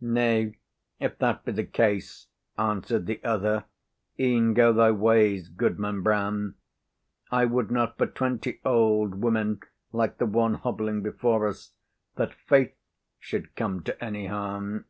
"Nay, if that be the case," answered the other, "e'en go thy ways, Goodman Brown. I would not for twenty old women like the one hobbling before us that Faith should come to any harm."